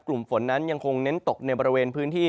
กลุ่มฝนนั้นยังคงเน้นตกในบริเวณพื้นที่